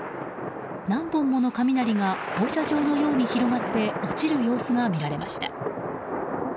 何本もの雷が放射状のように広がって落ちる様子が見られました。